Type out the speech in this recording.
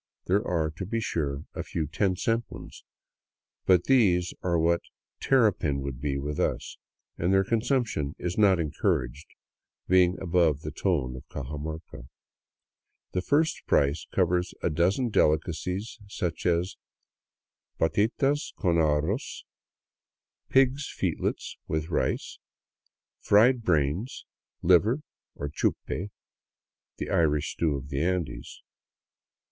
There are, to be sure, a few ten cent ones, but these are what terrapin would be with us, and their consumption is not encouraged, being above the tone of Cajamarca. The first price covers a dozen delicacies, such as *' patitas con arroz — pigs* f eetlets with rice," fried brains, liver, or chupe, the Irish stew of the Andes.